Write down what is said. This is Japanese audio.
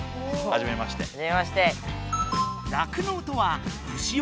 はじめまして。